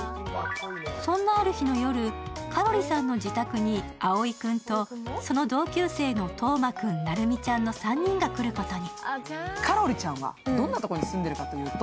そんなある日の夜、かろりさんの自宅に青井君とその同級生のトーマ君、成美ちゃんの３人が来ることに。